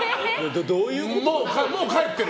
もう帰ってる？